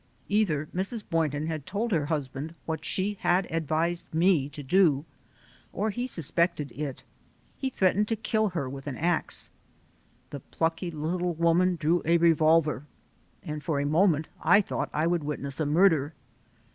Either Mrs. Boynton had told her husband what she had advised me to do or he sus pected it. He threatened to kill her with an ax. The plucky little woman drew a revolver and for a moment I thought I would witness a murder.